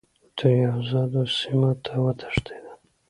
دوی آزادو سیمو ته وتښتېدل.